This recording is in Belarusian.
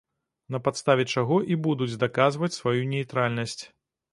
На падставе чаго і будуць даказваць сваю нейтральнасць.